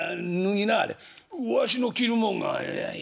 「わしの着るもんがない」。